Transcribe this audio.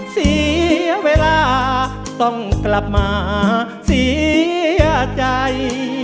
เสียเวลาต้องกลับมาเสียใจ